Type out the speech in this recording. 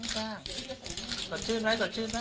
สดชื่นไหมสดชื่นนะ